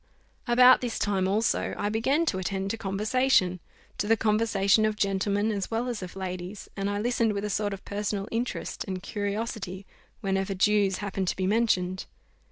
About this time also I began to attend to conversation to the conversation of gentlemen as well as of ladies; and I listened with a sort of personal interest and curiosity whenever Jews happened to be mentioned.